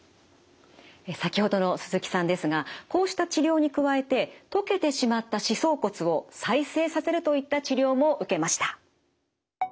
先ほどの鈴木さんですがこうした治療に加えて溶けてしまった歯槽骨を再生させるといった治療も受けました。